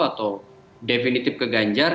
atau definitif ke ganjar